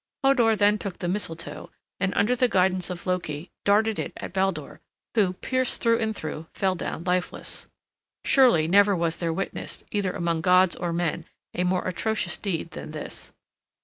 Hodur then took the mistletoe, and under the guidance of Loki, darted it at Baldur, who, pierced through and through, fell down lifeless. Surely never was there witnessed, either among gods or men, a more atrocious deed than this.